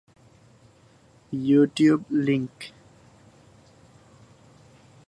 YouTube link